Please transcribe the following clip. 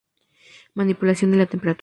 Manipulación de la Temperatura